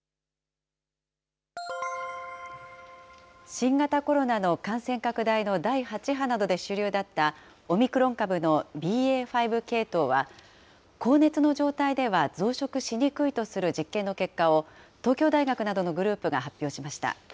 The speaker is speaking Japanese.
新型コロナの感染拡大の第８波などで主流だった、オミクロン株のＢＡ．５系統は、高熱の状態では増殖しにくいとする実験の結果を、東京大学などのグループが発表しました。